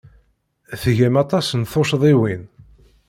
Tgam aṭas n tuccḍiwin.